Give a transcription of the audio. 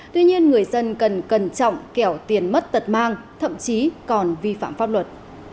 tuy nhiên người dân cần cẩn trọng kẻo tiền mất tật mang thậm chí còn vi phạm pháp luật